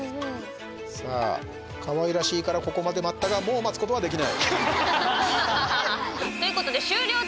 さあかわいらしいからここまで待ったがということで終了です。